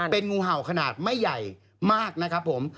เป็นงูเห่าขนาดไม่ใหญ่มากนะครับผม